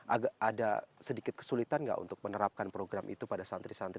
agak ada sedikit kesulitan nggak untuk menerapkan program itu pada santri santri